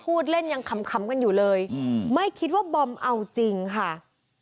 พูดเล่นยังขำกันอยู่เลยไม่คิดว่าบอมเอาจริงค่ะ